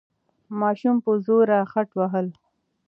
ماشوم په زوره خټ وهل.